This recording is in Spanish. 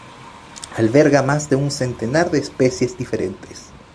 Alberga más de un centenar de especies diferentes.